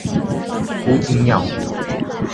胡锦鸟。